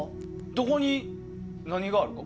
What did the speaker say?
どこに何があるの？